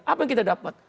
apa yang kita dapat